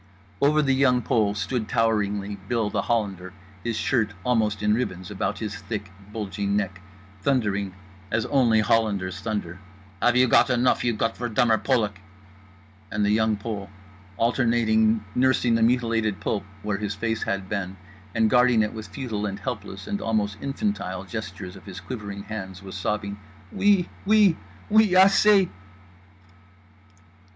Over The Young Pole stood toweringly Bill The Hollander, his shirt almost in ribbons about his thick bulging neck, thundering as only Hollanders thunder: "Have you got enough you Gottverdummer Polak?" and The Young Pole, alternating nursing the mutilated pulp where his face had been and guarding it with futile and helpless and almost infantile gestures of his quivering hands, was sobbing: "_Oui, Oui, Oui, Assez!